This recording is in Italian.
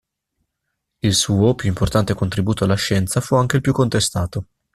Il suo più importante contributo alla scienza fu anche il più contestato.